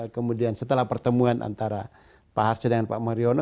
kemudian setelah pertemuan antara pak harso dan pak mariono